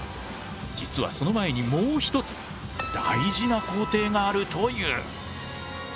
実はその前にもう一つ大事な工程があるという！